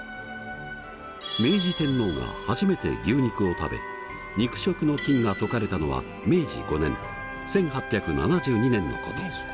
明治天皇が初めて牛肉を食べ肉食の禁が解かれたのは明治５年１８７２年のこと。